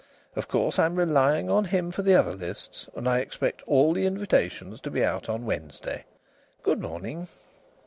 Of course, I'm relying on him for the other lists, and I expect all the invitations to be out on Wednesday. Good morning."